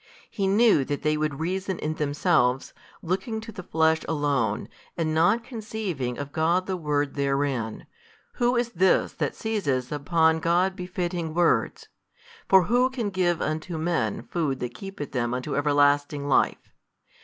He knew that they would reason in themselves, looking to the flesh alone, and not conceiving of God the Word therein, Who is This That seizeth upon God befitting words? for who can give unto men food that keepeth them unto everlasting life?